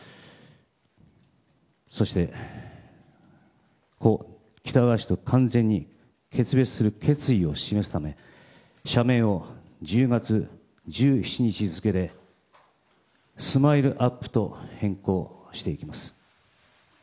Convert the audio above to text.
そして、故喜多川氏と完全に決別する決意を示すため社名を１０月１７日付でスマイルアップと変更していきます。